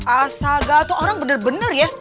asal gatal orang bener bener ya